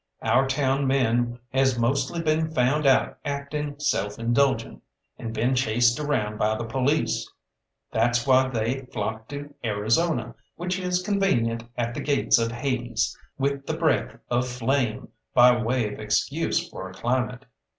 Our town men has mostly been found out acting self indulgent, and been chased around by the police. That's why they flocked to Arizona, which is convenient at the Gates of Hades, with the Breath of Flame by way of excuse for a climate.